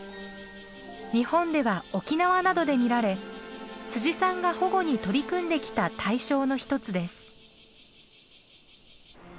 日本では沖縄などで見られさんが保護に取り組んできた対象の一つです。